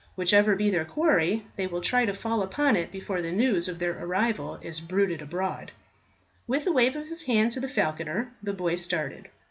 Whichever be their quarry, they will try to fall upon it before the news of their arrival is bruited abroad." With a wave of his hand to the falconer the boy started.